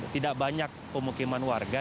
tidak banyak pemukiman warga